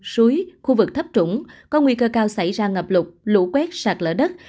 suối khu vực thấp trũng có nguy cơ cao xảy ra ngập lụt lũ quét sạt lở đất